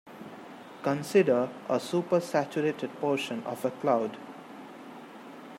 Consider a supersaturated portion of a cloud.